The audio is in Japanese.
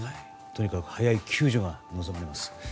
とにかく早い救助が望まれます。